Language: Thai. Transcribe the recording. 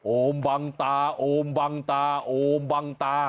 โอมบังตาโอมบังตาโอมบังตา